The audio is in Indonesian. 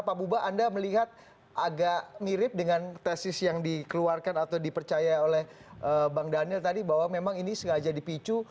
pak buba anda melihat agak mirip dengan tesis yang dikeluarkan atau dipercaya oleh bang daniel tadi bahwa memang ini sengaja dipicu